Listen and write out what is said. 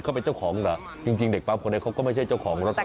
เขาเป็นเจ้าของเหรอจริงเด็กปั๊มคนนี้เขาก็ไม่ใช่เจ้าของรถ